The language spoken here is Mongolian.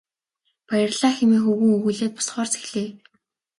Баярлалаа хэмээн хөвгүүн өгүүлээд босохоор зэхлээ.